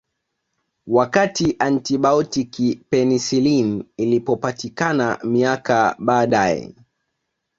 Wakati antibaotiki penicillin ilipopatikana miaka baadae